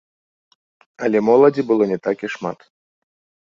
Але моладзі было не так і шмат.